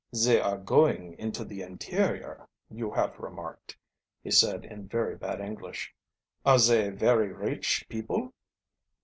"Zay are going into the interior, you have remarked," he said in very bad English. "Are zay verra rich people?"